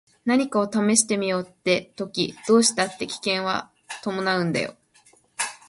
何かを試してみようって時どうしたって危険は伴うんだよ。